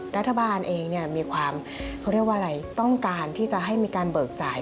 รัฐบาลเองมีความต้องการที่จะให้มีการเบิกจ่าย